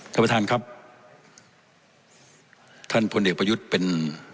ท่านประธานครับท่านพลเอกประยุทธ์เป็น